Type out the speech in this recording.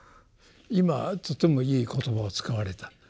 今とてもいい言葉を使われた。